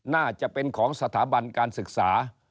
น่าจะเป็นของสถาบันการศึกษา